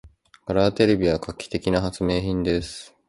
カラーテレビは画期的な発明品です。